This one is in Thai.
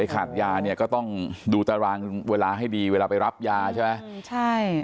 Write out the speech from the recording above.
คาดยาก็ต้องดูตารางเวลาให้ดีเวลาไปรับยาใช่ไหม